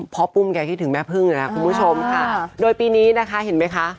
ปุ้มแกคิดถึงแม่พึ่งนะครับคุณผู้ชมค่ะโดยปีนี้นะคะเห็นไหมคะ